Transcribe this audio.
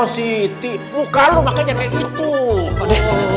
lihat tuh muka betul